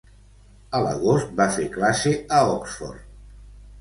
A l'agost va fer classe a Oxford.